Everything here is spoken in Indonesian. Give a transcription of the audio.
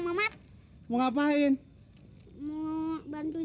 bapak gini hari mama masih tidur